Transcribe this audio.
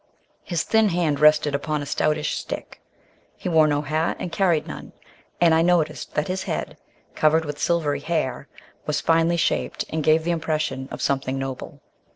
His thin hand rested upon a stoutish stick. He wore no hat and carried none, and I noticed that his head, covered with silvery hair, was finely shaped and gave the impression of something noble.